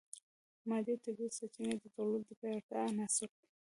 مادي او طبیعي سرچینې د دولت د پیاوړتیا عناصر دي